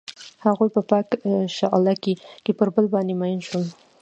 هغوی په پاک شعله کې پر بل باندې ژمن شول.